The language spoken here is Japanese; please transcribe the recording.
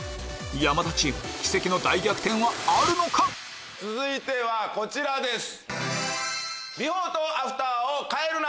山田チーム奇跡の大逆転はあるのか⁉続いてはこちらです。